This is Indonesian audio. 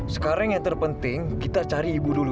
sekarang yang terpenting kita cari ibu dulu